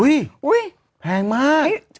อุ๊ยแพงมาก